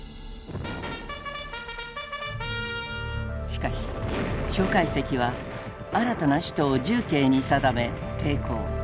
しかし蒋介石は新たな首都を重慶に定め抵抗。